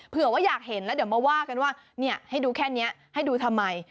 เผื่อว่าอยากเห็นแล้วเดี๋ยวมาว่ากันว่าให้ดูแค่นี้ให้ดูทำไม